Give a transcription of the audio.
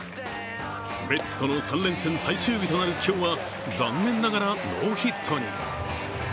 メッツとの３連戦最終日となる今日は残念ながらノーヒットに。